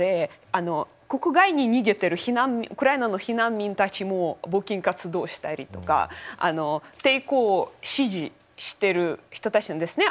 あの国外に逃げてるウクライナの避難民たちも募金活動したりとかあの抵抗を支持してる人たちなんですね。